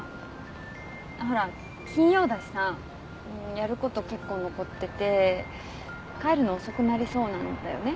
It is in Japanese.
ほら金曜だしさやること結構残ってて帰るの遅くなりそうなんだよね。